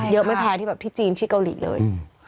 ไม่แพ้ที่แบบที่จีนที่เกาหลีเลย